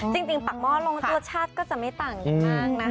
จริงปักหมอกลงส่วนชาตรก็จะไม่ต่างมากนะคะ